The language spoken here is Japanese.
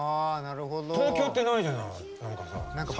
東京ってないじゃない。